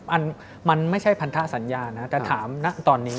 มันมันไม่ใช่พันธสัญญานะแต่ถามนะตอนนี้